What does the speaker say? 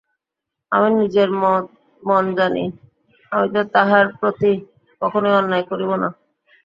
আমি নিজের মন জানি, আমি তো তাহার প্রতি কখনোই অন্যায় করিব না।